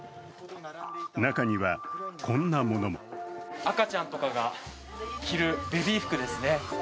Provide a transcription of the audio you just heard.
中には、こんなものも赤ちゃんとかが着るベビー服ですね。